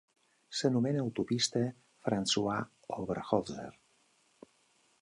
S'anomena "autopista Francois Oberholzer".